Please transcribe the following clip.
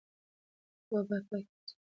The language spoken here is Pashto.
اوبه باید پاکې وساتل شي.